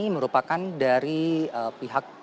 merupakan dari pihak